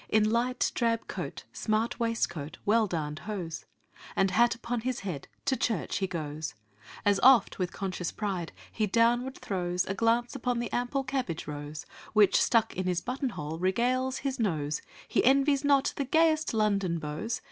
In light drab coat, smart waistcoat, well darn'd hose, And hat upon his head, to church he goes; As oft, with conscious pride, he downward throws A glance upon the ample cabbage rose, Which, stuck in button hole, regales his nose, He envies not the gayest London beaux.